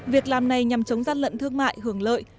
việc làm này nhằm chống gian lận thương mại